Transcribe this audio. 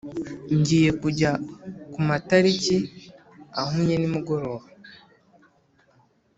[ngiye kujya kumatariki ahumye nimugoroba.